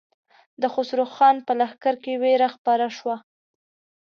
د خسرو خان په لښکر کې وېره خپره شوه.